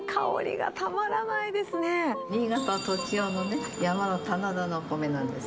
新潟栃尾の山の棚田のお米なんです。